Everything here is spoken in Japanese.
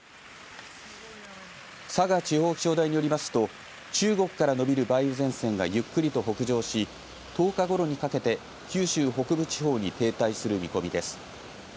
佐賀地方気象台によりますと中国から伸びる梅雨前線がゆっくりと北上し１０日ごろにかけて九州北部地方に停滞する見込みです。